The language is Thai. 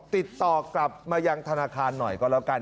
ติดต่อกลับมายังธนาคารหน่อยก็แล้วกัน